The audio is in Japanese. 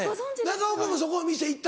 中岡もそこの店行ったこと？